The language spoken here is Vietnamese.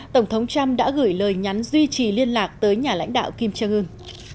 tổng thống trump đã gửi lời nhắn duy trì liên lạc tới nhà lãnh đạo kim jong un